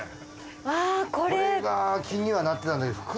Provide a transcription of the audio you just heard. これは気にはなってたんだけど。